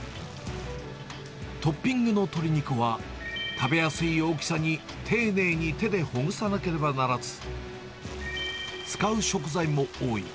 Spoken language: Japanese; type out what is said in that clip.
トッピングの鶏肉は、食べやすい大きさに丁寧に手でほぐさなければならず、使う食材も多い。